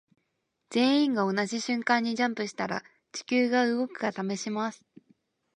全員が同じ瞬間にジャンプしたら地球が動くか試します。